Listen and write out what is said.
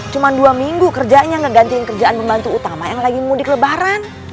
cuma dua minggu kerjanya ngegantiin kerjaan pembantu utama yang lagi mudik lebaran